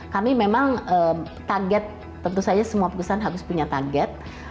kami memang target tentu saja semua perusahaan harus punya target